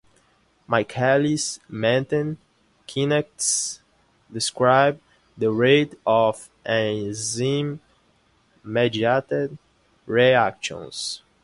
Michaelis-Menten kinetics describe the rate of enzyme mediated reactions.